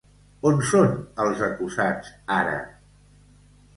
On són els acusats ara?